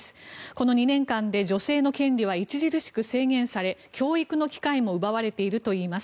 この２年間で女性の権利は著しく制限され、教育の機会も奪われているといいます。